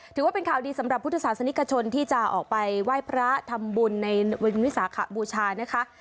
ถือว่าเป็นข่าวดีสำหรับพุทธศาสนิกชนที่จะออกไปไหว้พระทำบุญในวิสาขบูชานะคะ